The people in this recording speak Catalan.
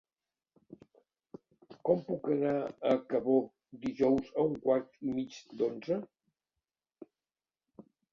Com puc anar a Cabó dijous a un quart i mig d'onze?